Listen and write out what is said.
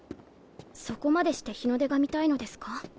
そこまでして日の出が見たいのですか？